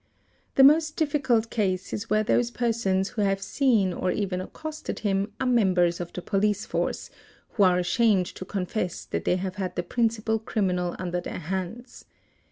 The most difficult case is where those persons who have seen or even accosted him are members of the police force, who are ashamed to confess that they have had the principal criminal under their hands.